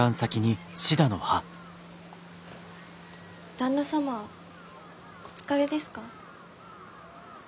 旦那様お疲れですか？